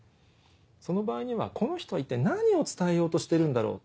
その場合にはこの人は一体何を伝えようとしてるんだろう。